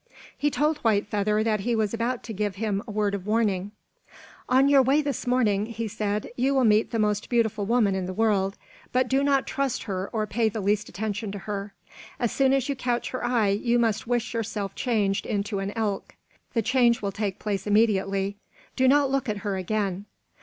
He told White Feather that he was about to give him a word of warning. "On your way this morning," he said, "you will meet the most beautiful woman in the world, but do not trust her or pay the least attention to her. As soon as you catch her eye you must wish yourself changed into an elk. The change will take place immediately. Do not look at her again."